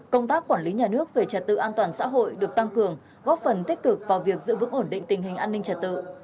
công tác quản lý nhà nước về trật tự an toàn xã hội được tăng cường góp phần tích cực vào việc giữ vững ổn định tình hình an ninh trật tự